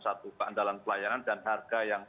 satu keandalan pelayanan dan harga yang